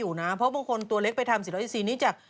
เวลาเอาออกไม่ทรมานหรืออี๋จ๊ะ